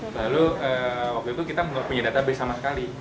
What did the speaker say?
lalu waktu itu kita tidak punya data base sama sekali